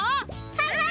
はい！